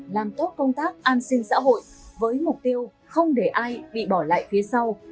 làm tốt công tác an sinh xã hội với mục tiêu không để ai bị bỏ lại phía sau